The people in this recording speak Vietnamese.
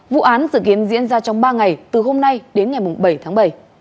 vụ án dự kiến diễn ra trong ba ngày từ hôm nay đến ngày bảy tháng bảy